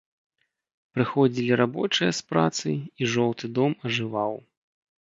Прыходзілі рабочыя з працы, і жоўты дом ажываў.